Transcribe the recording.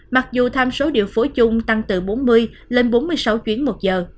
mặc dù tham số điều phối chung tăng từ bốn mươi lên bốn mươi sáu chuyến một giờ